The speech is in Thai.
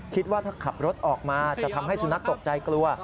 คิดว่าถ้าขับรถออกมาจะทำให้สุนัขตกใจกลัว